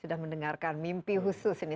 sudah mendengarkan mimpi khusus ini